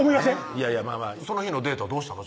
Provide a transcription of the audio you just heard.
いやいやまぁまぁその日のデートはどうしたの？